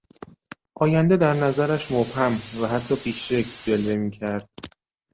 آینده در نظرش مبهم و حتی بیشکل جلوه میکرد.